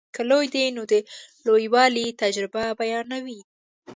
که لوی دی نو د لویوالي تجربه بیانوي.